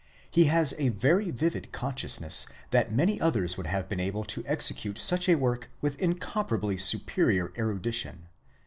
He has a very vivid consciousness that many others would have been able to execute such a work with incomparably superior erudition.